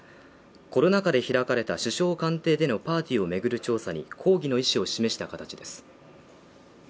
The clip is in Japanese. この中で開かれた首相官邸でのパーティーを巡る調査に抗議の意思を示した形です。